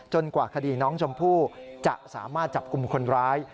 กว่าคดีน้องชมพู่จะสามารถจับกลุ่มคนร้าย